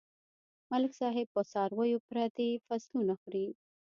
ملک صاحب په څارويو پردي فصلونه خوري.